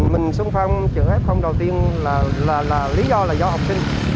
mình xuân phong chợ f đầu tiên là lý do là do học sinh